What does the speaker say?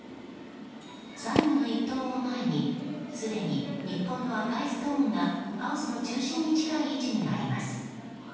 最後の一投を前にすでに日本の赤いストーンがハウスの中心に近い位置にあります。